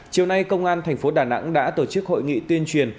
chiều nay công an tp đà nẵng đã tổ chức hội nghị tuyên truyền